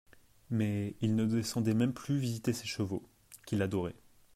Mais, il ne descendait même plus visiter ses chevaux, qu'il adorait.